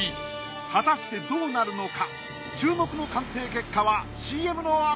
果たしてどうなるのか！？